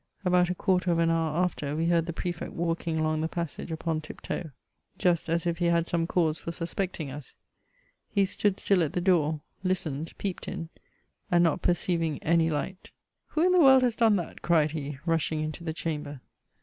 About a quarter of an hour after, we heard the Prefect walking along the passage upon tiptoe ; 110 MEMOIRS OF just as if he had some cause for suspecting us ; he stood stillat Ihe door» listened, peeped in, and not peroeiying any light • *'Who in the world has done that?" cried he, rushing into the chamber.